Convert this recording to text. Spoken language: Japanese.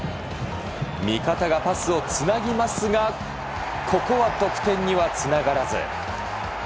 味方がパスをつなぎますがここは得点にはつながらず。